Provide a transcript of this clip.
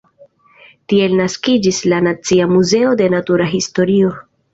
Tiele naskiĝis la Nacia Muzeo de Natura Historio.